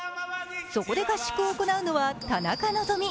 そこで合宿を行うのは田中希実。